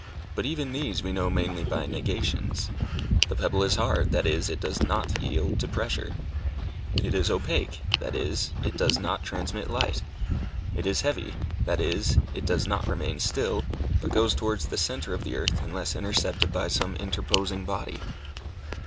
But even these we know mainly by negations. The pebble is hard, that is, it does not yield to pressure. It is opaque, that is, it does not transmit light. It is heavy, that is, it does not remain still, but goes towards the centre of the earth unless intercepted by some interposing body.